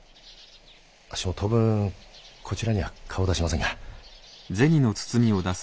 あっしも当分こちらには顔出しませんが。